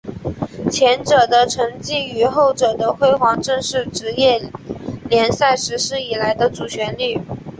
前者的沉寂与后者的辉煌正是职业联赛实施以来的主旋律。